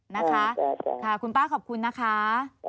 นะคะค่ะคุณป้าขอบคุณนะคะ